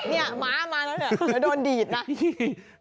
นี่ม้ามาแล้วเดี๋ยวโดนดีดนะ